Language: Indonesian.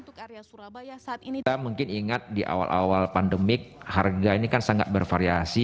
kita mungkin ingat di awal awal pandemik harga ini kan sangat bervariasi